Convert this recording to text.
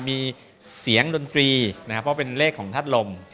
มีเสียงดนตรีเพราะเป็นเลขของทัศน์ลม